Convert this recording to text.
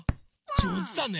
じょうずだね！